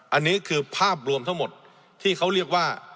อันนี้คือภาพรวมทั้งหมดที่เขาเรียกว่า